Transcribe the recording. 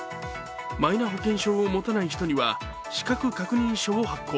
マイナ保険証を持たない人には資格確認書を発行。